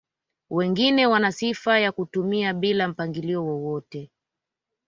Wengine wana sifa ya kutumia bila mpangilio wowote